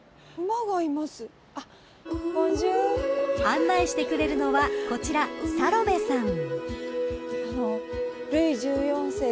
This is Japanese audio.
［案内してくれるのはこちらサロメさん］